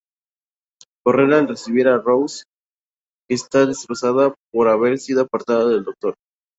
Corren a recibir a Rose, que está destrozada por haber sido apartada del Doctor.